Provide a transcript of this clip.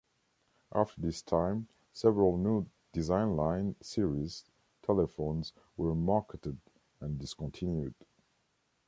After this time several new Design Line series telephones were marketed and discontinued.